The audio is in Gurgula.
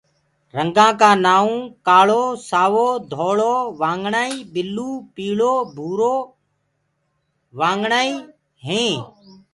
رنگآ ڪآ نآئونٚ ڪآݪو، سآوو، ڌوݪو، وآگڻآئي، بِلوُ، پيٚݪو، ڀُورو وآگڻآئي هينٚ۔